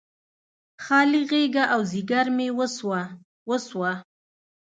خالي غیږه او ځیګر مې وسوه، وسوه